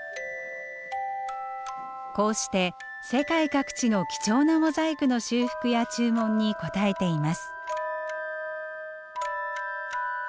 こうして世界各地の貴重なモザイクの修復や注文に応えています。